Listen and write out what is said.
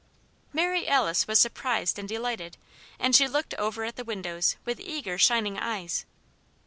Mary Alice was surprised and delighted, and she looked over at the windows with eager, shining eyes.